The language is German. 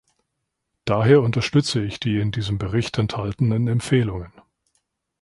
Daher unterstütze ich die in diesem Bericht enthaltenen Empfehlungen.